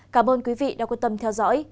cảm ơn quý vị đã quan tâm theo dõi